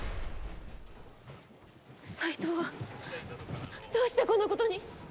斎藤はどうしてこんなことに。